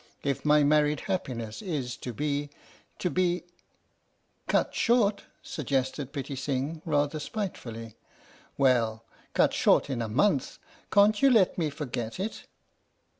If my married happiness is to be to be "" Cut short/' suggested Pitti Sing, rather spitefully. " Well, cut short in a month, can't you let me forget it?